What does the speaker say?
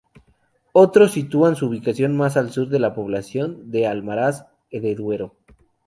Otros sitúan su ubicación más al sur en la población de Almaraz de Duero.